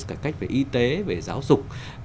cải cách về y tế về giáo dục